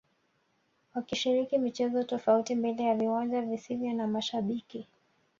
wakishiriki michezo tofauti mbele ya viwanja visivyo na mashabiki